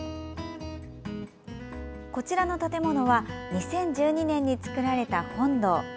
こちらの建物は２０１２年に造られた本堂。